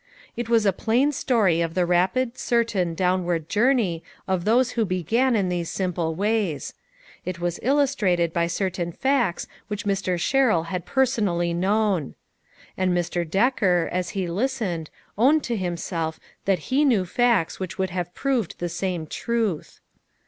It was a plain story of the rapid, certain, downward journey of those who began in these simple ways. It was illustrated by certain facts which Mr. Sherrill had personally known. And Mr. Decker, as he listened, owned to himself that he knew facts which would have proved the same truth.